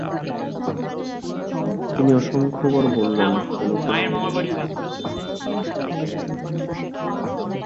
তিনি অসংখ্যবার বললেন কোন কোন অনুপান দিয়ে তাঁর এই অষুধটি তৈরি হয়েছে।